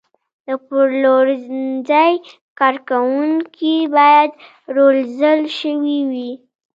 د پلورنځي کارکوونکي باید روزل شوي وي.